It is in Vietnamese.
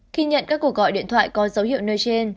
khi nhận các cuộc gọi điện thoại có dấu hiệu nơi trên